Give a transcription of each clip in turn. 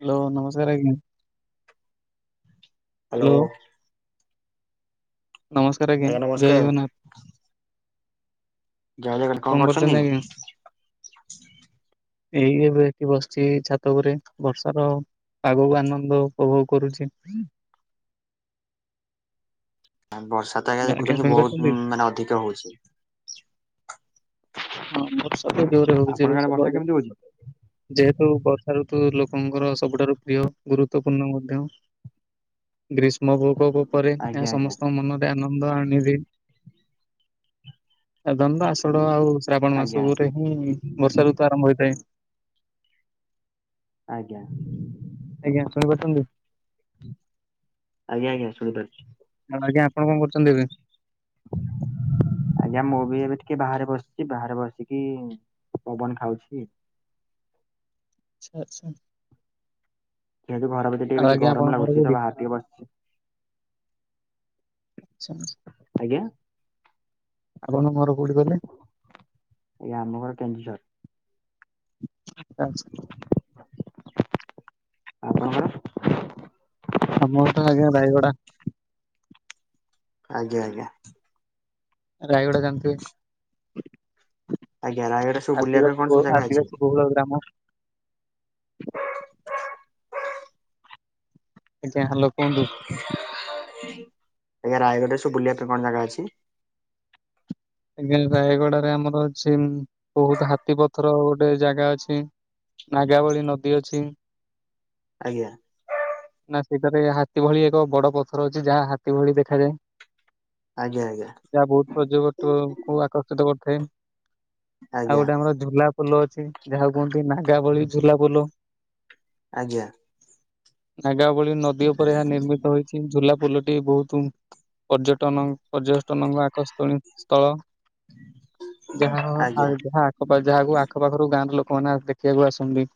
Hello ନମସ୍କାର ଆଜ୍ଞା। Hello. ନମସ୍କାର ଆଜ୍ଞା ଜୟ ଜଗନ୍ନାଥ। କଣ କରୁଛନ୍ତି? [unintelligible] ଏଇ ଏବେ ଏଠି ବସିଛି ଛାତ ଉପରେ ବର୍ଷାର ଆଗକୁ ଆନନ୍ଦ ଉପଭୋଗ କରୁଛି। ବର୍ଷା ତ ଆଜ୍ଞା ଦେଖୁଛନ୍ତି ବହୁତ ମାନେ ଅଧିକ ହଉଛି। ହଁ ବର୍ଷା ତ ଜୋରେ ହଉଛି ଏବେ ଆପଣଙ୍କ ଆଡେ ବର୍ଷା ସବୁଆଡେ। କେମିତି ହଉଛି? ଯେହେତୁ ବର୍ଷା ଋତୁ ଲୋକଙ୍କର ସବୁଠାରୁ ପ୍ରିୟ ଗୁରୁତ୍ଵପୂର୍ଣ୍ଣ ମଧ୍ୟ ଗ୍ରୀଷ୍ମ ପ୍ରକୋପ ପରେ ଏହା ଆଜ୍ଞା ଆଜ୍ଞା ସମସ୍ତଙ୍କ ମନ ରେ ଆନନ୍ଦ ଆନିବି ଆଦନ୍ଦ ଆସଡ଼ ଆଉ ଶ୍ରାବଣ ମାସ ଆଜ୍ଞା ପରେ ହିଁ ବର୍ଷା ଋତୁ ଆରମ୍ଭ ହୋଇଥାଏ। ଆଜ୍ଞା। ଆଜ୍ଞା ଶୁଣି ପାରୁଚନ୍ତି। ଆଜ୍ଞା ଆଜ୍ଞା ଶୁଣି ପାରୁଛି। ଆଉ ଆଜ୍ଞା ଆପଣ କଣ କରୁଚନ୍ତି ଏବେ? ଆଜ୍ଞା ମୁଁ ବି ଏବେ ଟିକେ ବାହାରେ ବସିଛି ବାହାରେ ବସିକି ପବନ ଖାଉଛି। ଆଛା ଆଛା। ଯେହେତୁ ଘର ଭିତରେ ଟିକେ ଆଉ ବେଶୀ ଗରମ ଲାଗୁଛି ତ ବାହାରେ ଟିକେ ବସିଛି। ଆଛା। ଆଜ୍ଞା ଆପଣଙ୍କ ଘର କୋଉଁଠି କହିଲେ? ଏ ଆମ ଘର କେନ୍ଦୁଝର। [unintelligible] ଆପଣ? ଆମ ଘରଟା ଆଜ୍ଞା ରାୟଗଡା। ଆଜ୍ଞା ଆଜ୍ଞା। ରାୟଗଡା ଜାଣିଥିବେ? ଆଜ୍ଞା ରାୟଗଡା ସବୁ ବୁଲିବା ପାଇଁ ଆଦିବାସୀ କଣ ବହୁ ସବୁ ଜାଗା ଅଛି? ଆଦିବାସୀ ବୋହୁଳ ଗ୍ରାମ ଆଜ୍ଞା ହାଲୋ କୁହନ୍ତୁ? ଆଜ୍ଞା ରାୟଗଡ଼ାରେ ସବୁ ବୁଲିବା ପାଇଁ କଣ ଜାଗା ଅଛି? ଆଜ୍ଞା ରାୟଗଡ଼ାରେ ଆମର ଅଛି ସିମ ବହୁତ ହାତୀ ପଥର ଗୋଟେ ଜାଗା ଅଛି ନାଗା ବଳି ନଦୀ ଅଛି। ଆଜ୍ଞା। ନା ସେଠାରେ ହାତୀ ଭଳି ଏକ ବଡ ପଥର ଅଛି ଯାହା ହାତୀ ଭଳି ଦେଖାଯାଏ। [inaudible] ଆଜ୍ଞା ଆଜ୍ଞା। ଯାହା ବହୁତ ପର୍ଯ୍ୟବତୁ କୁ ଆକର୍ଷିତ କରିଥାଏ ଆଉ ଆଜ୍ଞା ଗୋଟେ ଆମର ଝୁଲା ପୋଲ ଅଛି ଯାହା କୁହନ୍ତି ନାଗା ବାଳି ଝୁଲା ପୋଲ। ଆଜ୍ଞା। ନାଗାବଳି ନଦୀ ଉପରେ ଏହା ନିର୍ମିତ ହେଇଛି ଝୁଲା ପୋଲଟି ବହୁତ ପର୍ଯ୍ୟଟନ ପର୍ଯ୍ୟଟନଙ୍କ ଆକର୍ଷଣୀ ସ୍ଥଳ। ଯାହା ଆଜ୍ଞା [unintelligible] ଆ ଆଜ୍ଞା [unintelligible] ଯାହାକୁ ଆଖ ପାାଖରୁ ଗାଁ ର ଲୋକମାନେ ଦେଖିବାକୁ ଆସନ୍ତି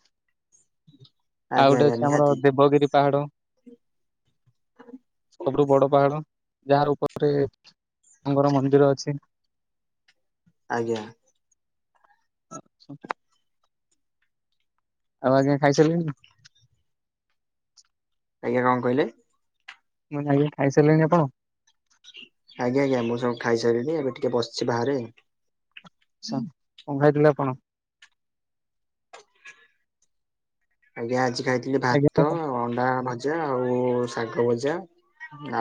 ଆଉ ଆଜ୍ଞା ଗୋଟେ ଆଜ୍ଞା ଅଛି ଆମର ନିହାତି ଦେବଗିରି ପାହାଡ ସବୁଠୁ ବଡ ପାହାଡ ଯା ଉପରେ ତାଙ୍କର ମନ୍ଦିର ଅଛି। ଆଜ୍ଞା। [unintelligible] ଆଉ ଆଜ୍ଞା ଖାଇ ସାଇଲେଣି? ଆଜ୍ଞା କଣ କହିଲେ? ମୁଁ କହିଲି ଆଜ୍ଞା ଖାଇ ସାରିଲିଣି ଆପଣ? ଆଜ୍ଞା ଆଜ୍ଞା ମୁଁ ସବୁ ଖାଇ ସାଇଲିଣି ଏବେ ଟିକେ ବସିଛି ବାହାରେ। ଆଚ୍ଛା କଣ ଖାଇଥିଲେ ଆପଣ? ଆଜ୍ଞା ଆଜି ଖାଇଥିଲି ଆଜ୍ଞା ଭାତ ଅଣ୍ଡା ମା ଭଜା ଆଉ ଶାଗ ଭଜା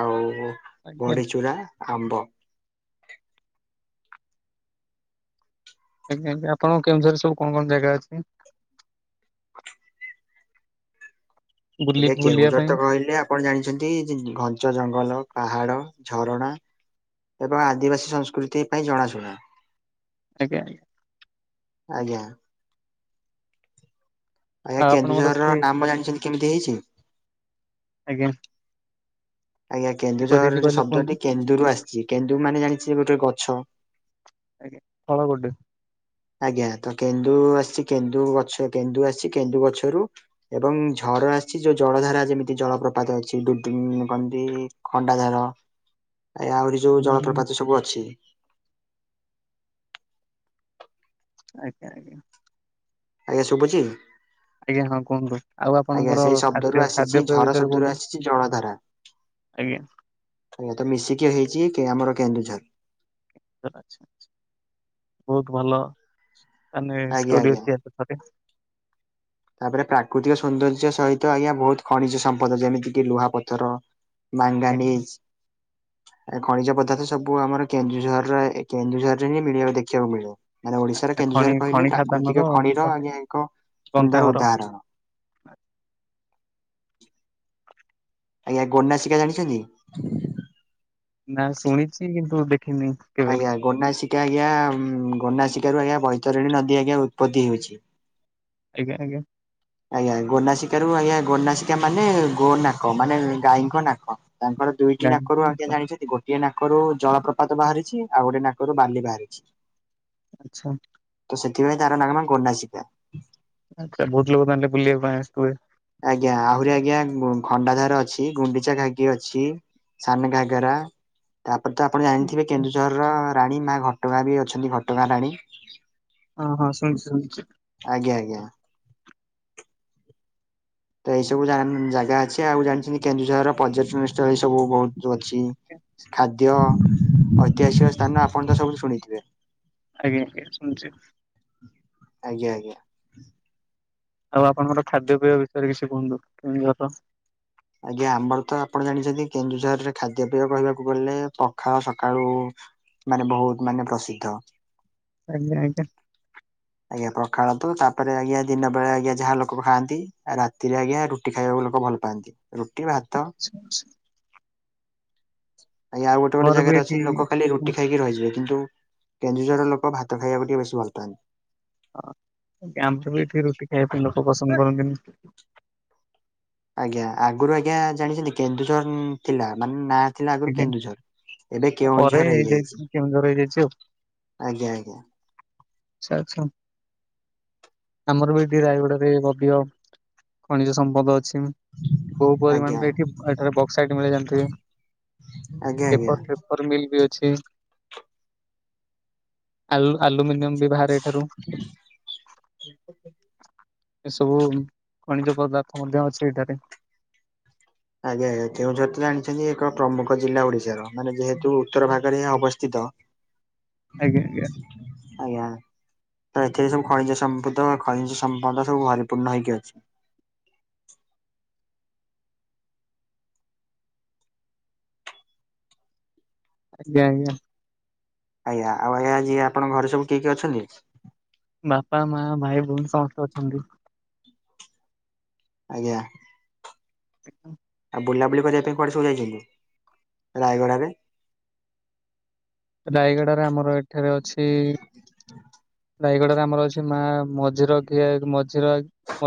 ଆଉ ଆଜ୍ଞା ବଡିଚୁରା ଆମ୍ବ। ଆଜ୍ଞା ଆଜ୍ଞା ଆପଣ କେଉଁଝରରେ ସବୁ କଣ କଣ ଜାଗା ଅଛି? ବୁଲି ଆଜ୍ଞା ବୁଲିବା କେଉଁଝର ପାଇଁ ତ କହିଲେ ଆପଣ ଜାଣିଛନ୍ତି ଜି ଘଞ୍ଚ ଜଙ୍ଗଲ ପାହାଡ ଝରଣା। ଏବଂ ଆଦିବାସୀ ସଂସ୍କୃତି ପାଇଁ ଜଣାଶୁଣା। ଆଜ୍ଞା। ଆଜ୍ଞା। ଆଜ୍ଞା ଆଉ ଆପଣଙ୍କର କେନ୍ଦୁଝର ର ସେଠି ଖା ନାମ ଜାଣିଛନ୍ତି କେମିତି ହେଇଛି। ଆଜ୍ଞା। ଆଜ୍ଞା କିପରି ହେଇଛି କେନ୍ଦୁଝର କହିଲେ କୁହନ୍ତୁ? ଶବ୍ଦଟି କେନ୍ଦୁରୁ ଆସିଛି କେନ୍ଦୁ ମାନେ ଜାଣିଛି ଗୋଟେ ଗଛ। ଆଜ୍ଞା ଫଳ ଗୋଟେ। ଆଜ୍ଞା ତ କେନ୍ଦୁ ଆସିଛି କେନ୍ଦୁ ଗଛ କେନ୍ଦୁ ଆସିଛି କେନ୍ଦୁ ଗଛରୁ। ଏବଂ ଝର ଆସିଛି ଯଉ ଜଳ ଧାରା ଯେମିତି ଜଳପ୍ରପାତ ଅଛି [unintelligible] କଣତି ଖଣ୍ଡା ଧାର। [inaudible] ଆଜ୍ଞା ଆହୁରି ଯୋଉ ଆଜ୍ଞା ଆଜ୍ଞା ଜଳପ୍ରପାତି ସବୁ ଅଛି। ଆଜ୍ଞା ଆଜ୍ଞା। ଆଜ୍ଞା ଶୁଭୁଛି। ଆଜ୍ଞା ହଁ କୁହନ୍ତୁ ଆଉ ଆଜ୍ଞା ଆପଣଙ୍କର ସେଇ ଶବ୍ଦରୁ ଖାଦ୍ୟ ଆସିଛି ଖାଦ୍ୟପେୟ ଝର ବିଷୟରେ ଶବ୍ଦରୁ କୁହନ୍ତୁ। ଆସିଛି ଜଳଧାରା ଆଜ୍ଞା। ତ ମିଶିକି ହେଇଛି କେ ଆମର କେନ୍ଦୁଝର। ଆଚ୍ଛା ଆଚ୍ଛା ବହୁତ ଭଲ ଆଜ୍ଞା ଆଜ୍ଞା ତାଲେ [unintelligible] ତାପରେ ପ୍ରାକୃତିକ ସୌନ୍ଦର୍ଯ୍ୟ ସହିତ ଆଜ୍ଞା ବହୁତ ଖଣିଜ ସମ୍ପଦ ଯେମିତି କିି ଲୁହାପଥର। ମାଙ୍ଗାନିଜ। ଏ ଖଣିଜ ପଦାର୍ଥ ସବୁ ଆମର କେନ୍ଦୁଝରର କେନ୍ଦୁଝରରେ ହିଁ ମିଳ ଦେଖିବାକୁ ମିଳିବ। ମାନେ ଓଡିଶାର ଆଛା ଖଣି କେନ୍ଦୁଝର କହିଲେ ଖଣି ଖାଦାନର ପ୍ରାକୃତିକ ଖଣିର ଆଜ୍ଞା ଏକ ଗନ୍ତା ସୁନ୍ଦର ଘର ଉଦାହରଣ। ଆଜ୍ଞା ଗୋନାସିକା ଜାଣିଛନ୍ତି? ନା ଶୁଣିଚି କିନ୍ତୁ ଦେଖିନି। କେବେ ଆଜ୍ଞା ଗୋନାସିକା ଆଜ୍ଞା ଉଁ ଗୋନାସିକା ରୁ ଆଜ୍ଞା ବୈତରଣୀ ନଦୀ ଆଜ୍ଞା ଉପତ୍ତି ହଇଛି। ଆଜ୍ଞା ଆଜ୍ଞା। ଆଜ୍ଞା ଗୋନାସିକା ରୁ ଆଜ୍ଞା ଗୋନାସିକା ମାନେ ଗୋ ନାକ ମାନେ ଗାଈଙ୍କ ନାକ ତାଙ୍କର ଦୁଇଟି ନାକରୁ ଜାଣିନି ଆଜ୍ଞା ଜାଣିଛନ୍ତି ଗୋଟିଏ ନାକରୁ ଜଳପ୍ରପାତ ବାହାରିଛି ଆଉ ଗୋଟଏ ନାକରୁ ବାଲି ବାହାରିଛି। ଆଚ୍ଛା। ତ ସେଥିପାଇଁ ତାର ଗୋନାସୀକା। ଆଚ୍ଛା ବହୁତ ଲୋକ ତା ହେଲେ ବୁଲିବା ପାଇଁ ଆସୁଥିବେ? ଆଜ୍ଞା ଆହୁରି ଆଜ୍ଞା ଗୁଂ ଖଣ୍ଡା ଧାର ଅଛି ଗୁଣ୍ଡିଚା ଘାଗୀ ଅଛି। ସାନ ଘାଗେରା। ତା ପରେ ତ ଆପଣ ଜାଣିଥିବେ କେନ୍ଦୁଝରର ରାଣୀ ମା ଘଟଗାଁ ବି ଅଛନ୍ତି ଘଟଗାଁ ରାଣୀ। ହଁ ହଁ ଶୁଣିଚି ଶୁଣିଚି। ଆଜ୍ଞା ଆଜ୍ଞା। ତ ଏଇ ସବୁ ଜାନ ଜାଗା ଅଛି। ଆଉ ଜାଣିଚନ୍ତି କେନ୍ଦୁଝରର ପର୍ଯ୍ୟଟନ ସ୍ଥଳ ଏଇ ସବୁ ବହୁତ ଅଛି। ଖାଦ୍ୟ ଐତିହାସିକ ସ୍ଥାନ ଆପଣ ତ ସବୁୁ ଶୁଣିଥିବେ। ଆଜ୍ଞା ଆଜ୍ଞା ଶୁଣିଚି। ଆଜ୍ଞା ଆଜ୍ଞା। ଆଉ ଆପଣଙ୍କର ଖାଦ୍ୟ ପେୟ ବିଷୟରେ କିଛି କୁହନ୍ତୁ କେନ୍ଦୁଝର। ଆଜ୍ଞା ଆମର ତ ଆପଣ ଜାଣିଛନ୍ତି କେନ୍ଦୁଝରରେ ଖାଦ୍ୟ ପେୟ କହିବାକୁ ଗଲେ ପଖାଳ ସକାଳୁ ମାନେ ବହୁତ ମାନେ ପ୍ରସିଦ୍ଧ। ଆଜ୍ଞା ଆଜ୍ଞା। ଆଜ୍ଞା ପଖାଳନ୍ତୁ ତା ପରେ ଆଜ୍ଞା ଦିନ ବେଳେ ଆଜ୍ଞା ଯାହା ଲୋକ ଖାନ୍ତି ରାତିରେ ଆଜ୍ଞା ରୁ ରୁଟି ଖାଇବାକୁ ଲୋକ ଭଲ ପାଆନ୍ତି। ରୁଟି ଭ [inaudible] ଆଜ୍ଞ ଆଉ ଗୋଟେ ଗୋଟେ ଆମର ବି ଜାଗାରେ ଏଠି ଅଛି ଲୋକ ଖାଲି ରୁ ହଁ ଟି ଖାଇକି ରହିଯିବେ କିନ୍ତୁ କେନ୍ଦୁଝର ଲୋକ ଭାତ ଖାଇବାକୁ ଟିକେ ବେଶୀ ଭଲ ପାଆନ୍ତି। ହଁ ଆମ ତ ଏଠି କେହି ରୁଟି ଖାଇବା ପାଇଁ ଲୋକ ପସନ୍ଦ କରନ୍ତିନି। ଆଜ୍ଞା ଆଗରୁ ଆଜ୍ଞା ଜାଣିଛନ୍ତି କେନ୍ଦୁଝର ଥିଲା ମାନେ ନା ଥିଲା ଆଗରୁ ଆଜ୍ଞା କେନ୍ଦୁଝର ଏବେ ପରେ କେଉଁଝର ହେଇଯାଇଛି। କେଉଁଝର ହେଇଯାଇଛି ଆଉ ଆଜ୍ଞା ଆଜ୍ଞା। ଆଚ୍ଛା ଆଚ୍ଛା। ଆମର ବି ଏଠି ରାୟଗଡାରେ ଅଧିକ ଖଣିଜ ସମ୍ପଦ ଅଛି। ବହୁ ଆଜ୍ଞା ପରିମାଣରେ ଏଠି ଏଠାରେ ବକ୍ସାଇଟ ମିଳେ ଜାଣିଥିବେ। ଆଜ୍ଞା ଆଜ୍ଞା। ପେପର ପେପର ମିଲ୍ ବି ଅଛି। ଆଲ୍-ଆଲୁମିନିୟମ୍ ବି ବାହାରେ ଏଠାରୁ। [inaudible] ଏସବୁ ଖଣିଜ ପଦାର୍ଥ ମଧ୍ୟ ଅଛି ଏଠାରେ। ଆଜ୍ଞା ଆଜ୍ଞା କେଉଁଝର ତ ଜାଣିଛନ୍ତି ଏକ ପ୍ରମୁଖ ଜିଲ୍ଲା ଓଡିଶାର ମାନେ ଯେହେତୁ ଉତ୍ତର ଭାଗରେ ଏହା ଅବସ୍ଥିତ। ଆଜ୍ଞା ଆଜ୍ଞା। ତ ଏଥିରେ ସବୁ ଖଣିଜ ସମ୍ପଦ ଖଣିଜ ସମ୍ପଦ ସବୁ ଭରିପୂର୍ଣ୍ଣ ହେଇକି ଅଛି। ଆଜ୍ଞା ଆଜ୍ଞା। ଆଜ୍ଞା ଆଉ ଆଜ୍ଞା ଯିଏ ଆପଣଙ୍କ ଘରେ ସବୁ କିଏ କିଏ ଅଛନ୍ତି? ବାପା, ମାଆ, ଭାଇ ଭଉଣୀ ସମସ୍ତେ ଅଛନ୍ତି। ଆଜ୍ଞା। [inaudible] ଆଉ ବୁଲାବୁଲି କରିବା ପାଇଁ କୁଆଡେ ସବୁ ଯାଇଛନ୍ତି ରାୟଗଡ଼ାରେ। ରାୟଗଡାରେ ଆମର ଏଠାରେ ଅଛି। ରାୟଗଡାରେ ଆମର ଅଛି ମା ମଝିରକିଆ ମଝିର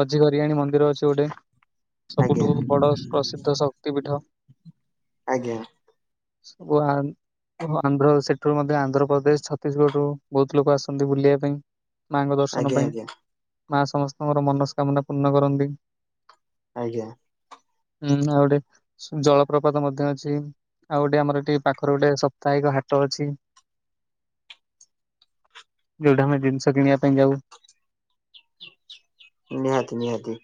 ମଝିଘରିଆଣୀ ମନ୍ଦିର ଅଛି ଗୋଟେ। ଆଜ୍ଞା ସବୁଠୁ ବଡ଼ ପ୍ରସିଦ୍ଧ ଶକ୍ତିପୀଠ। ଆଜ୍ଞା। [inaudible] ସେଠୁ ମଧ୍ୟ ଆନ୍ଧ୍ରପ୍ରଦେଶ ଛତିଶଗଡରୁ ବହୁତ ଲୋକ ଆସନ୍ତି ବୁଲିବା ପାଇଁ। ମାଙ୍କ ଦର୍ଶନ ଆଜ୍ଞା ପାଇଁ, ଆଜ୍ଞା ମା ସମସ୍ତଙ୍କର ମନସ୍କାମନା ପୂର୍ଣ୍ଣ କରନ୍ତି। ଆଜ୍ଞା। ହୁଁ ଆଉଡେ ସୁ ଜଳପ୍ରପାତ ମଧ୍ୟ ଅଛି, ଆଉ ଗୋଟେ ଆମର ଏଠି ପାଖରେ ଗୋଟେ ସାପ୍ତାହିକ ହାଟ ହାଟ ଅଛି ଯୋଉଠା ଆମେ ଜିନିଷ କିଣିବା ପାଇଁ ଯାଉ। ନିହାତି ନିହାତି।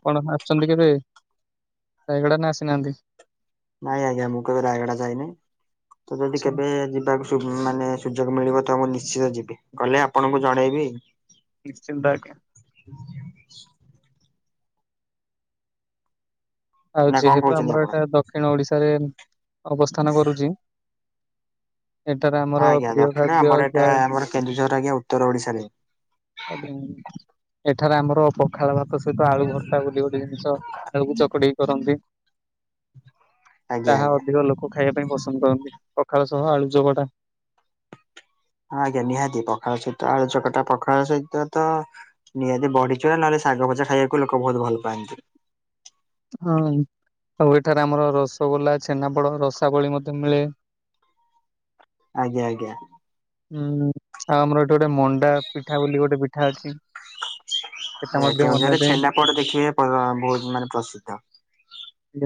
ଆପଣ ଆସିଛନ୍ତି କେବେ ରାୟଗଡା ନା ଆସିନାହାନ୍ତି। ନାଇଁ ଆଜ୍ଞା ମୁଁ କେବେ ରାୟଗଡା ଯାଇନି, ତ ଯଦି ଆଚ୍ଛା କେବେ ଯିବାକୁ ମାନେ ସୁଯୋଗ ମିଳିବ ତ ମୁଁ ନିଶ୍ଚିତ ଯିବି ଗଲେ ଆପଣଙ୍କୁ ଜଣେଇବି। ନିଶ୍ଚିନ୍ତ ଆଜ୍ଞା। ହଁ। ଆଉ ନା କଣ ଯେହେତୁ କହୁଛନ୍ତି ଆମର ଆପଣ? ଏଟା ଦକ୍ଷିଣ ଓଡିଶାରେ ଅବସ୍ଥାନ କରୁଛି। ଏଠାରେ ଆମର ଆଜ୍ଞା ପ୍ରିୟ ଦକ୍ଷିଣ ଖାଦ୍ୟ ଆମର ଏଟା ଯାହା ଆମର କେନ୍ଦୁଝର ଆଜ୍ଞା ଉତ୍ତର ଓଡିଶାରେ। ଆଜ୍ଞା ଏଠାରେ ଆମର ପ ପଖାଳ ଭାତ ସହିତ ଆଳୁ ଭର୍ତା ବୋଲି ଗୋଟେ ଜିନିଷ ଆଳୁକୁ ଚକଟିକି କରନ୍ତି। ଆଜ୍ଞା ତାହା ଆଜ୍ଞା। ଅଧିକ ଲୋକ ଖାଇବା ପାଇଁ ପସନ୍ଦ କରନ୍ତି ପଖାଳ ସହ ଆଳୁଚକଟା। ହଁ ଆଜ୍ଞା ନିହାତି ପଖାଳ ସହିତ ଆଳୁଚକଟା ପଖାଳ ସହିତ ତ ନିହାତି ବଢି ଚୁରା ନହେଲେ ଶାଗ ଭଜା ଖାଇବାକୁ ଲୋକ ବହୁତ ଭଲ ପାଆନ୍ତି। ହଁ ଆଉ ଏଠାରେ ଆମର ରସଗୋଲା ଛେନାପୋଡ ରସାବଳୀ ମଧ୍ୟ ମିଳେ। ଆଜ୍ଞା ଆଜ୍ଞା। ହୁଁ ଆଉ ଆମର ଏଠି ଗୋଟେ ମଣ୍ଡା ପିଠା ବୋଲି ଗୋଟେ ପିଠା ଅଛି। ସେଟା ଏ ମଧ୍ୟ କେଉଁଝରେ ବନାଯାଏ। ଛେନାପୋଡ଼ ଟିକିଏ ପ ବହୁତ ମାନେ ପ୍ରସିଦ୍ଧ।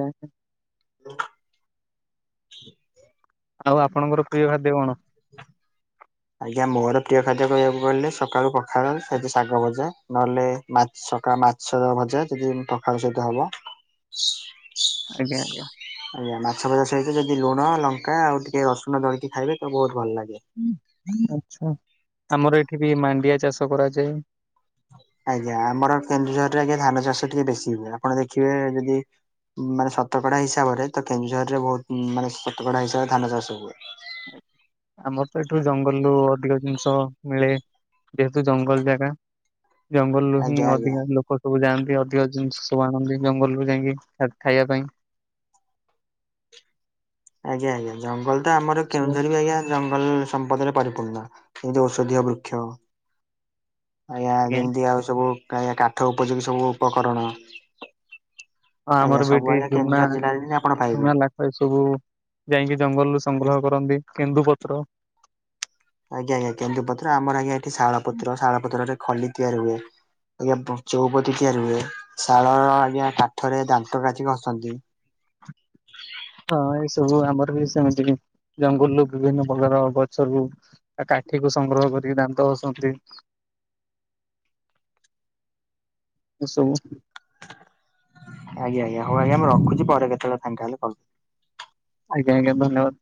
ଆଜ୍ଞା। [inaudible] ଆଉ ଆପଣଙ୍କର ପ୍ରିୟ ଖାଦ୍ୟ କଣ? ଆଜ୍ଞା ମୋର ପ୍ରିୟ ଖାଦ୍ୟ କହିବାକୁ ଗଲେ ସକାଳୁ ପଖାଳ ସେ ଯେ ଶାଗ ଭଜା ନହେଲେ ମାଛ ସକା ମାଛ ଭଜା ଯଦି ପଖାଳ ସହିତ ହବ ଆଜ୍ଞା ଆଜ୍ଞା। ଆଜ୍ଞା ମାଛ ଭଜା ସହିତ ଯଦି ଲୁଣ ଲଙ୍କା ଆଉ ଟିକେ ରସୁଣ ଦଳିକି ଖାଇବେ ତ ବହୁତ ଭଲ ଲାଗେ। ଆଛା ଆମର ଏଠି ଟିକେ ମାଣ୍ଡିଆ ଚାଷ କରାଯାଏ। ଆଜ୍ଞା ଆମର କେନ୍ଦୁଝରରେ ଆଜ୍ଞା ଧାନ ଚାଷ ଟିକେ ବେଶୀ ହୁଏ ଆପଣ ଦେଖିବେ ଯଦି ମାନେ ଶତକଡା ହିସାବରେ ତ କେନ୍ଦୁଝରରେ ବହୁତ ମାନେ ଶତକଡା ହିସାବରେ ଧାନ ଚାଷ ହୁଏ। ଆମର ତ ଏଠୁ ଜଙ୍ଗଲରୁ ଅଧିକ ଜିନିଷ ମିଳେ। ଯେହେତୁ ଜଙ୍ଗଲ ଜାଗା ଜଙ୍ଗଲରୁୁ ହିଁ ଆଜ୍ଞା ଆଜ୍ଞା ଅଧିକାଂଶ ଲୋକ ସବୁ ଯାଆନ୍ତି ଅଧିକ ଜିନିଷ ସବୁ ଆଣନ୍ତି ଜଙ୍ଗଲରୁୁ ଯାଇଁକି ଖାଦ୍ ଖାଇବା ପାଇଁ। ଆଜ୍ଞା ଆଜ୍ଞା ଜଙ୍ଗଲଟା ଆମର ସବୁ କେଉଁଝର ବି ଆଜ୍ଞା ଜଙ୍ଗଲ ସମ୍ପଦରେ ପରିପୂର୍ଣ୍ଣ ଯେମିତି ଔଷଧୀୟ ବୃକ୍ଷ। ଆଜ୍ଞା ଯେମିତି ଆଉ ସବୁ କାୟା କାଠ ଉପଯୋଗୀ ସବୁ ଉପକରଣ ହଁ ଆଜ୍ଞା ଆମର ବି ସବୁ ଏଠି ଆଜ୍ଞା ଜୁମୁଣା କେନ୍ଦୁଝର ଜିଲ୍ଲାରେ ହିଁ ଆପଣ ପାଇବେ। ସମୁରା ଲାଖ୍ ଏ ସବୁ ଯାଇଁକି ଜଙ୍ଗଲରୁୁ ସଂଗ୍ରହ କରନ୍ତି କେନ୍ଦୁ ପତ୍ର। ଆଜ୍ଞା ଆଜ୍ଞା କେନ୍ଦୁପତ୍ର ଆମର ଆଜ୍ଞା ଏଠି ଶାଳପତ୍ର ଶାଳପତ୍ରରେ ଖଲି ତିଆରି ହୁଏ। ଆଜ୍ଞା ପ ଚଉପତି ତିଆରି ହୁଏ ଶାଳର ଆଜ୍ଞା କାଠରେ ଦାନ୍ତକାଠି ଘସନ୍ତି। ହଁ ଏସବୁ ଆମର ବି ସେମିତି ହିଁ ଜଙ୍ଗଲରୁୁ ବିଭିନ୍ନ ପ୍ରକାର ଗଛରୁୁ ଆ କାଠିକୁୁ ସଂଗ୍ରହ କରିକି ଦାନ୍ତ ଘସନ୍ତି। ଏସବୁ ଆଜ୍ଞା ଆଞା ହଉ ଆଜ୍ଞା ମୁଁ ରଖୁଛି ପରେ କେତେବେଳେ ଫାଙ୍କା ହେଲେ କଲ୍ ଆଜ୍ଞା ଆଜ୍ଞା ଧନ୍ୟବାଦ।